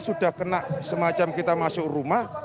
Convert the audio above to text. sudah kena semacam kita masuk rumah